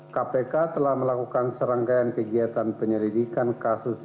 kpk telah melakukan serangkaian kegiatan penyelidikan kasus